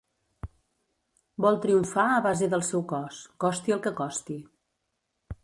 Vol triomfar a base del seu cos, costi el que costi.